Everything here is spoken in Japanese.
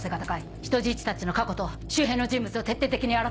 人質たちの過去と周辺の人物を徹底的に洗って！